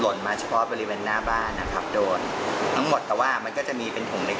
มาเฉพาะบริเวณหน้าบ้านนะครับโดนทั้งหมดแต่ว่ามันก็จะมีเป็นถุงเล็ก